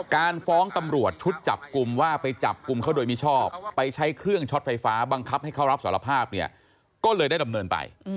การฟ้องตำรวจชุดจับกลุ่มว่าไปจับกลุ่มเขาโดยมิชอบไปใช้เครื่องช็อตไฟฟ้าบังคับให้เขารับสารภาพเนี่ยก็เลยได้ดำเนินไป